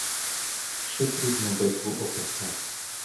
Що трудно битву описать;